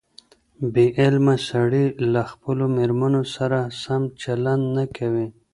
بې علمه سړي له خپلو مېرمنو سره سم چلند نه کوي.